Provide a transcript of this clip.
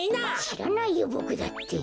しらないよボクだって。